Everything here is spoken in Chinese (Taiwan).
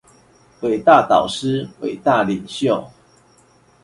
偉大導師、偉大領袖